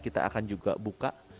kita akan juga buka